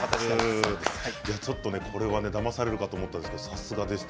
これは、だまされるかと思ったんですが、さすがでした。